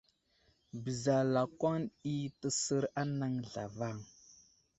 Beza lakwan ɗi təsər anaŋ zlavaŋ.